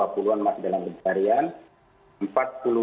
lima korban masih dalam pencarian